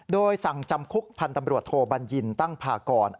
โดยสั่งจำคุกพันธ์ตำรวจโทบัญญินตั้งพากร